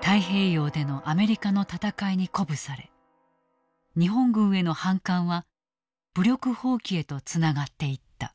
太平洋でのアメリカの戦いに鼓舞され日本軍への反感は武力蜂起へとつながっていった。